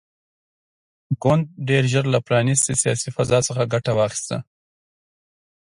ګوند ډېر ژر له پرانیستې سیاسي فضا څخه ګټه واخیسته.